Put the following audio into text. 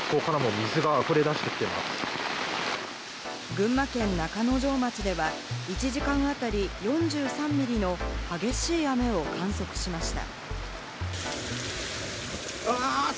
群馬県中之条町では１時間当たり４３ミリの激しい雨を観測しました。